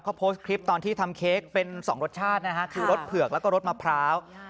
เขาโพสต์คลิปตอนที่ทำเค้กเป็นสองรสชาตินะฮะคือรสเผือกแล้วก็รสมะพร้าว